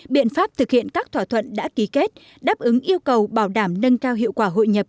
biện pháp thực hiện các thỏa thuận đã ký kết đáp ứng yêu cầu bảo đảm nâng cao hiệu quả hội nhập